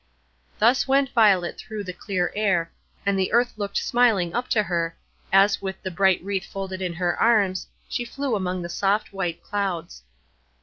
Thus went Violet through the clear air, and the earth looked smiling up to her, as, with the bright wreath folded in her arms, she flew among the soft, white clouds.